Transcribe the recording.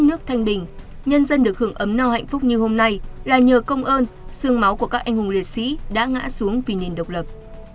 nước thanh bình nhân dân được hưởng ấm no hạnh phúc như hôm nay là nhờ công ơn sương máu của các anh hùng liệt sĩ đã ngã xuống vì nền độc lập